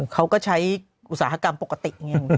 เขาก็ใช้อุตสาหกรรมปกติไง